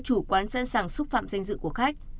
chủ quán sẵn sàng xúc phạm danh dự của khách